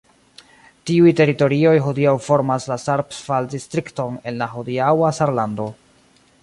Tiuj teritorioj hodiaŭ formas la Saarpfalz-distrikton en la hodiaŭa Sarlando.